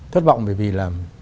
thất bọng bởi vì là